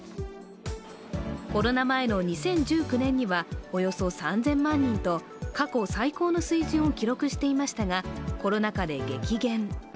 コロナ前の２０１９年にはおよそ３０００万人と過去最高の水準を記録していましたが、コロナ禍で激減。